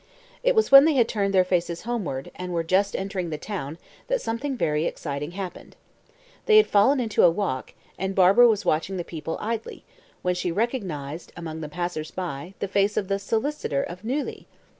It was when they had turned their faces homeward, and were just entering the town, that something very exciting happened. They had fallen into a walk, and Barbara was watching the people idly, when she recognised among the passers by the face of the "solicitor" of Neuilly!